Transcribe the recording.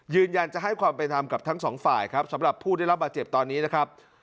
ยืนยันจะให้ความเป็นธรรมกับทั้งสองฝ่ายครับสำหรับผู้ได้รับบาดเจ็บตอนนี้นะครับ